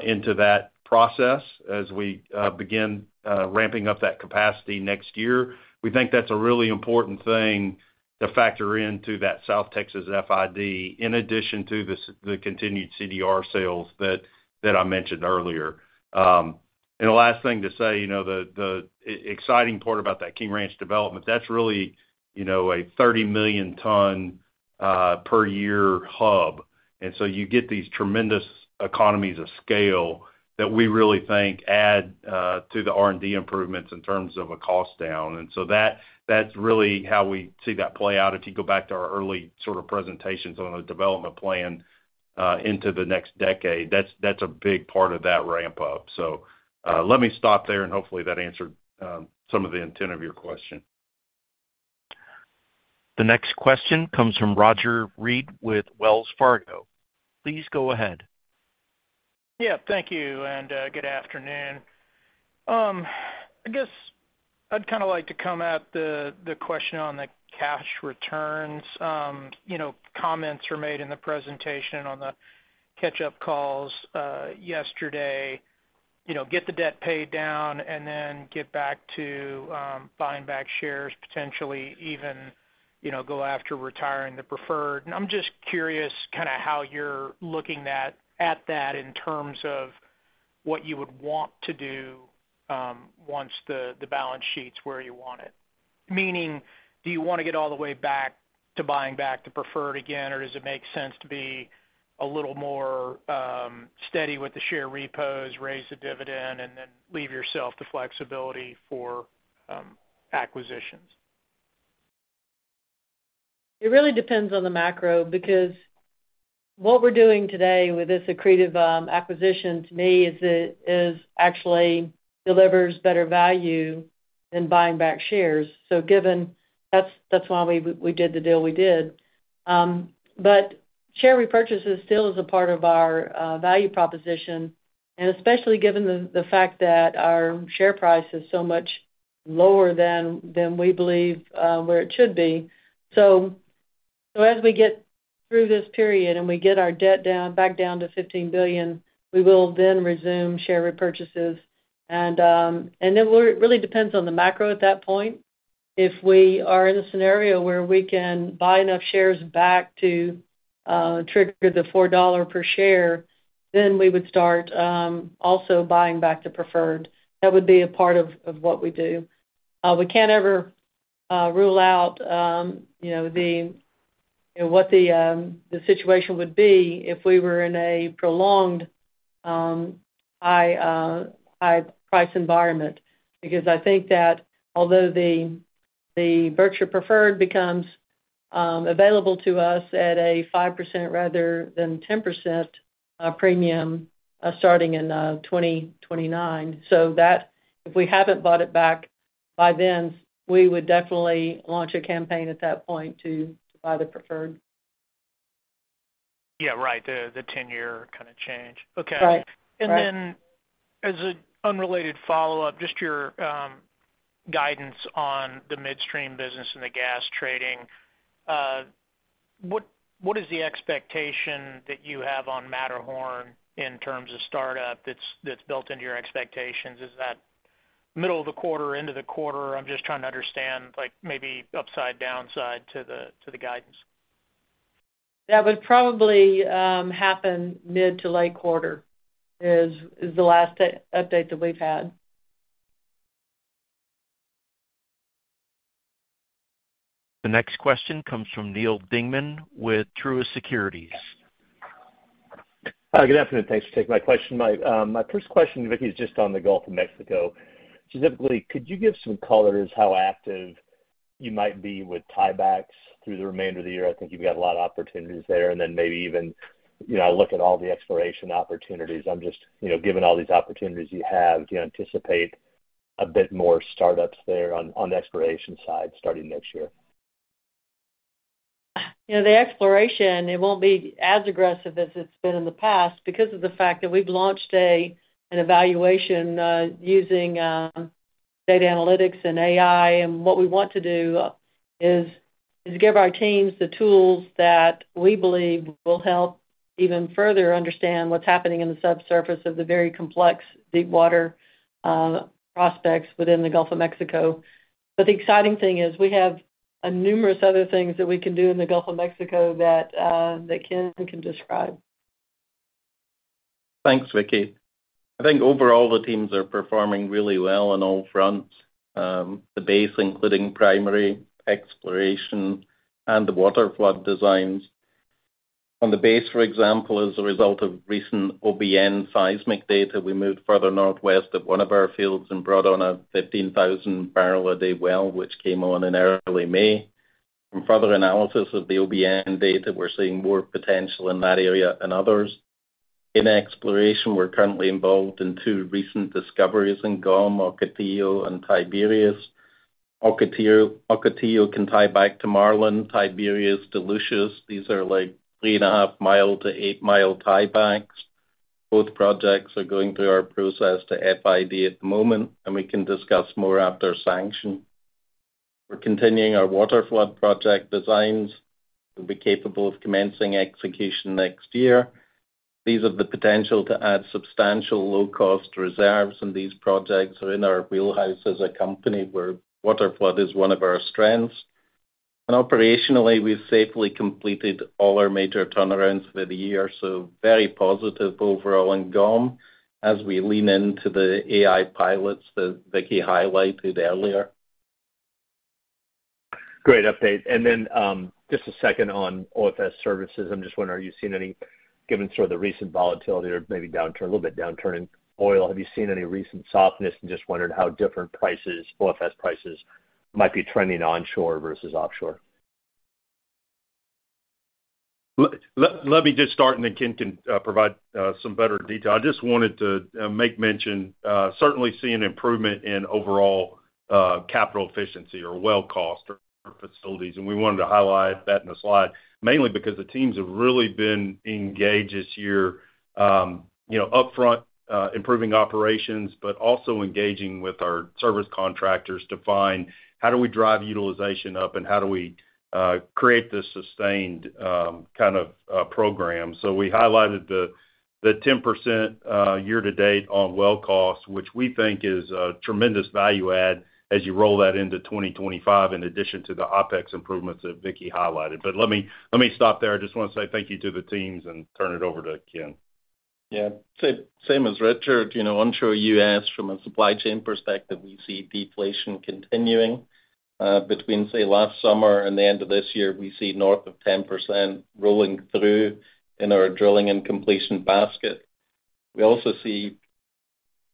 into that process as we begin ramping up that capacity next year. We think that's a really important thing to factor into that South Texas FID, in addition to the continued CDR sales that I mentioned earlier. And the last thing to say, you know, the exciting part about that King Ranch development, that's really, you know, a 30 million ton per year hub. And so you get these tremendous economies of scale that we really think add to the R&D improvements in terms of a cost down. And so that, that's really how we see that play out. If you go back to our early sort of presentations on the development plan into the next decade, that's a big part of that ramp up. So, let me stop there, and hopefully, that answered some of the intent of your question. The next question comes from Roger Read with Wells Fargo. Please go ahead. Yeah, thank you, and, good afternoon. I guess I'd kind of like to come at the, the question on the cash returns. You know, comments were made in the presentation on the catch-up calls, yesterday, you know, get the debt paid down and then get back to, buying back shares, potentially even, you know, go after retiring the preferred. And I'm just curious kind of how you're looking at, at that in terms of what you would want to do, once the, the balance sheet's where you want it. Meaning, do you wanna get all the way back to buying back the preferred again, or does it make sense to be a little more, steady with the share repos, raise the dividend, and then leave yourself the flexibility for, acquisitions?... It really depends on the macro, because what we're doing today with this accretive acquisition, to me, is actually delivers better value than buying back shares. That's why we did the deal we did. But share repurchases still is a part of our value proposition, and especially given the fact that our share price is so much lower than we believe where it should be. So as we get through this period, and we get our debt down back down to $15 billion, we will then resume share repurchases. And it will really depends on the macro at that point. If we are in a scenario where we can buy enough shares back to trigger the $4 per share, then we would start also buying back the preferred. That would be a part of what we do. We can't ever rule out, you know, what the situation would be if we were in a prolonged high price environment. Because I think that although the Berkshire Preferred becomes available to us at a 5% rather than 10% premium, starting in 2029. So that, if we haven't bought it back by then, we would definitely launch a campaign at that point to buy the preferred. Yeah, right, the 10-year kind of change. Okay. Right. Right. And then, as an unrelated follow-up, just your guidance on the midstream business and the gas trading. What is the expectation that you have on Matterhorn in terms of startup that's built into your expectations? Is that middle of the quarter, end of the quarter? I'm just trying to understand, like, maybe upside, downside to the guidance. That would probably happen mid to late quarter, is the last update that we've had. The next question comes from Neal Dingmann with Truist Securities. Hi, good afternoon. Thanks for taking my question. My, my first question, Vicki, is just on the Gulf of Mexico. Specifically, could you give some color as to how active you might be with tiebacks through the remainder of the year? I think you've got a lot of opportunities there, and then maybe even, you know, look at all the exploration opportunities. I'm just, you know, given all these opportunities you have, do you anticipate a bit more startups there on the exploration side starting next year? You know, the exploration, it won't be as aggressive as it's been in the past because of the fact that we've launched an evaluation using data analytics and AI. And what we want to do is to give our teams the tools that we believe will help even further understand what's happening in the subsurface of the very complex deep water prospects within the Gulf of Mexico. But the exciting thing is, we have numerous other things that we can do in the Gulf of Mexico that that Ken can describe. Thanks, Vicki. I think overall, the teams are performing really well on all fronts, the base, including primary exploration and the waterflood designs. On the base, for example, as a result of recent OBN seismic data, we moved further northwest at one of our fields and brought on a 15,000 barrel a day well, which came on in early May. From further analysis of the OBN data, we're seeing more potential in that area than others. In exploration, we're currently involved in two recent discoveries in GOM, Ocotillo and Tiberius. Ocotillo can tie back to Marlin, Tiberius to Lucius. These are like 3.5-mile to 8-mile tiebacks. Both projects are going through our process to FID at the moment, and we can discuss more after sanction. We're continuing our waterflood project designs. We'll be capable of commencing execution next year. These have the potential to add substantial low-cost reserves, and these projects are in our wheelhouse as a company, where waterflood is one of our strengths. Operationally, we've safely completed all our major turnarounds for the year, so very positive overall in GOM as we lean into the AI pilots that Vicki highlighted earlier. Great update. And then, just a second on OFS services. I'm just wondering, are you seeing any, given sort of the recent volatility or maybe downturn, a little bit downturn in oil, have you seen any recent softness? And just wondering how different prices, OFS prices, might be trending onshore versus offshore. Let me just start, and then Ken can provide some better detail. I just wanted to make mention, certainly seeing improvement in overall capital efficiency or well cost or facilities, and we wanted to highlight that in the slide, mainly because the teams have really been engaged this year, you know, upfront improving operations, but also engaging with our service contractors to find how do we drive utilization up, and how do we create this sustained kind of program. So we highlighted the 10% year to date on well costs, which we think is a tremendous value add as you roll that into 2025, in addition to the OpEx improvements that Vicki highlighted. But let me stop there. I just want to say thank you to the teams and turn it over to Ken. Yeah. Same, same as Richard. You know, onshore U.S., from a supply chain perspective, we see deflation continuing. Between, say, last summer and the end of this year, we see north of 10% rolling through in our drilling and completion basket. We also see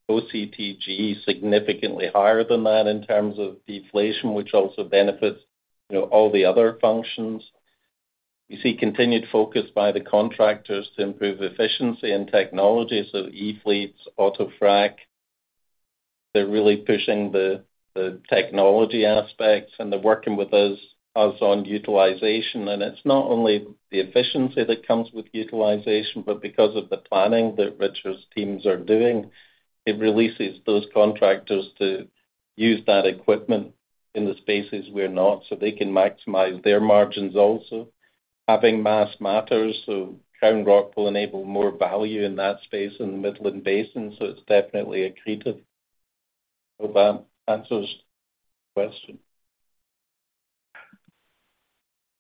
OCTG significantly higher than that in terms of deflation, which also benefits, you know, all the other functions. We see continued focus by the contractors to improve efficiency and technology, so e-fleets, AutoFrac. They're really pushing the technology aspects, and they're working with us on utilization. And it's not only the efficiency that comes with utilization, but because of the planning that Richard's teams are doing, it releases those contractors to use that equipment in the spaces we're not, so they can maximize their margins also. Having mass matters, so CrownRock will enable more value in that space in the Midland Basin, so it's definitely accretive. Hope that answers the question.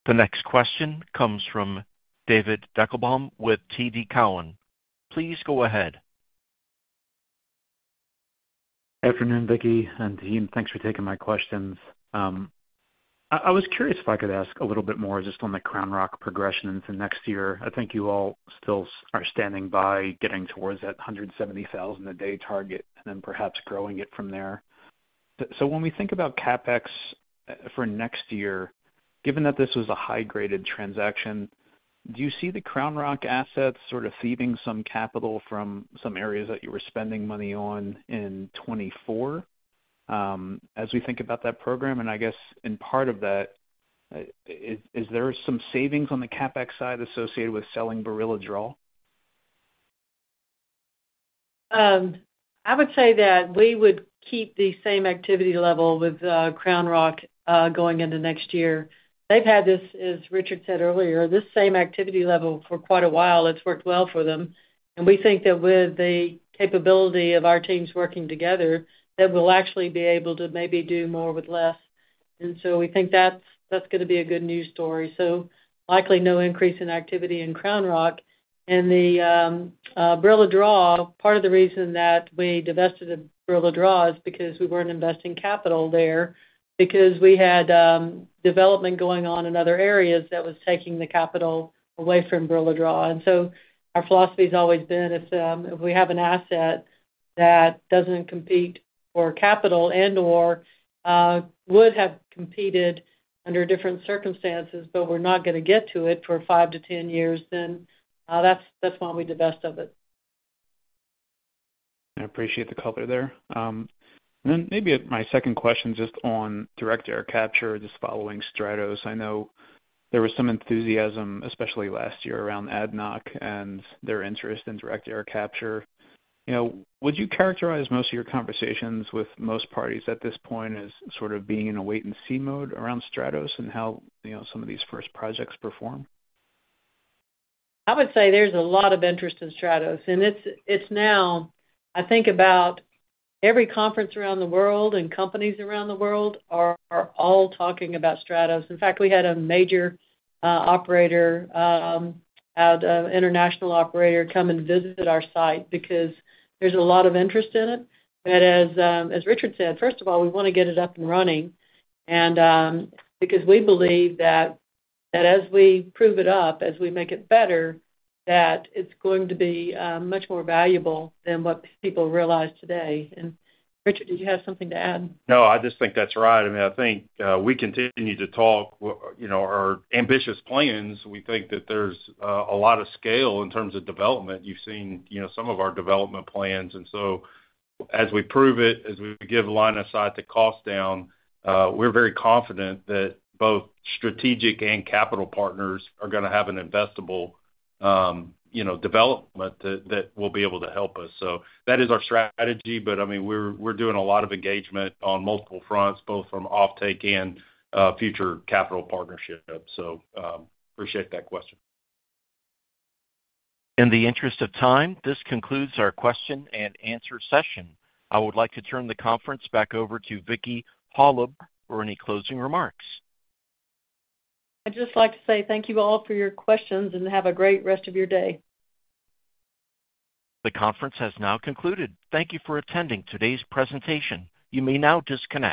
The next question comes from David Deckelbaum with TD Cowen. Please go ahead. Good afternoon, Vicki and team. Thanks for taking my questions. I was curious if I could ask a little bit more just on the CrownRock progression into next year. I think you all still are standing by getting towards that 170,000 a day target and then perhaps growing it from there. So when we think about CapEx for next year, given that this was a high-graded transaction, do you see the CrownRock assets sort of diverting some capital from some areas that you were spending money on in 2024? As we think about that program, and I guess in part of that, is there some savings on the CapEx side associated with selling Barilla Draw? I would say that we would keep the same activity level with CrownRock going into next year. They've had this, as Richard said earlier, this same activity level for quite a while. It's worked well for them, and we think that with the capability of our teams working together, that we'll actually be able to maybe do more with less. And so we think that's gonna be a good news story. So likely no increase in activity in CrownRock. And the Barilla Draw, part of the reason that we divested the Barilla Draw is because we weren't investing capital there, because we had development going on in other areas that was taking the capital away from Barilla Draw. Our philosophy has always been, if we have an asset that doesn't compete for capital and/or would have competed under different circumstances, but we're not gonna get to it for 5-10 years, then that's when we divest of it. I appreciate the color there. Then maybe my second question, just on direct air capture, just following Stratos. I know there was some enthusiasm, especially last year, around ADNOC and their interest in direct air capture. You know, would you characterize most of your conversations with most parties at this point as sort of being in a wait-and-see mode around Stratos and how, you know, some of these first projects perform? I would say there's a lot of interest in Stratos, and it's now, I think, about every conference around the world and companies around the world are all talking about Stratos. In fact, we had a major operator had an international operator come and visit our site because there's a lot of interest in it. But as Richard said, first of all, we wanna get it up and running, and because we believe that as we prove it up, as we make it better, that it's going to be much more valuable than what people realize today. And Richard, did you have something to add? No, I just think that's right. I mean, I think, we continue to talk, you know, our ambitious plans. We think that there's a lot of scale in terms of development. You've seen, you know, some of our development plans, and so as we prove it, as we give line of sight to cost down, we're very confident that both strategic and capital partners are gonna have an investable, you know, development that, that will be able to help us. So that is our strategy, but I mean, we're, we're doing a lot of engagement on multiple fronts, both from offtake and, future capital partnerships. So, appreciate that question. In the interest of time, this concludes our question and answer session. I would like to turn the conference back over to Vicki Hollub for any closing remarks. I'd just like to say thank you all for your questions, and have a great rest of your day. The conference has now concluded. Thank you for attending today's presentation. You may now disconnect.